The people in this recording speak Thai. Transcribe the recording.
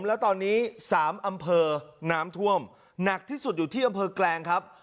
แล้วตอนนี้๓อำเภอน้ำท่วมหนักที่สุดอยู่ที่อำเภอแกลงครับ